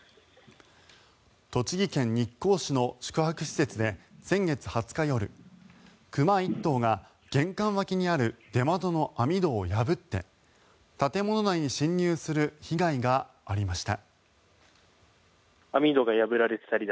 栃木県日光市の宿泊施設で先月２０日夜熊１頭が玄関脇にある出窓の網戸を破って建物内に侵入する被害がありました。